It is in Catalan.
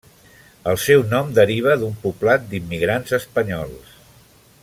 El seu nom deriva d'un poblat d'immigrants espanyols.